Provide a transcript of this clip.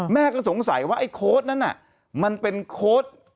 แม่ก็สงสัยว่าไอ้โค้ดนั้นน่ะมันเป็นโค้ด